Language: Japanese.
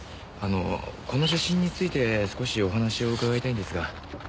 あのこの写真について少しお話を伺いたいんですが。